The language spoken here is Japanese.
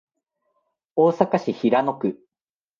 大阪市平野区